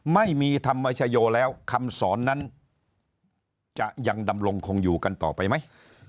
ไม่มีธรรมชโยแล้วคำสอนนั้นจะยังดำรงคงอยู่กันต่อไปไหม